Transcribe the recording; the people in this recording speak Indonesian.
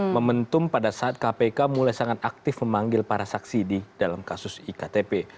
momentum pada saat kpk mulai sangat aktif memanggil para saksi di dalam kasus iktp